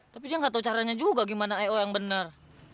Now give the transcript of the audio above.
tapi dia gak tau caranya juga gimana eo yang bener